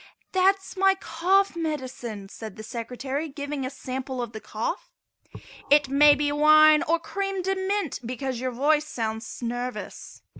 "That is my cough medicine," said the Secretary, giving a sample of the cough. "It may be wine or cream de mint because your voice sounds nervous."